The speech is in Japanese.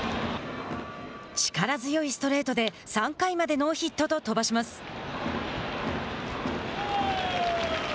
力強いストレートで３回までノーヒットと飛ばします。